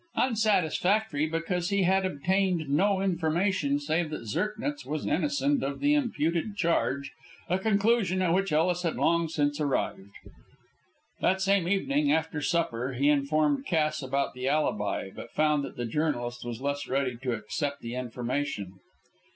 Unsatisfactory, because he had obtained no information save that Zirknitz was innocent of the imputed charge, a conclusion at which Ellis had long since arrived. That same evening, after supper, he informed Cass about the alibi, but found that the journalist was less ready to accept the information.